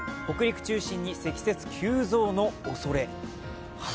北陸中心に積雪急増のおそれ。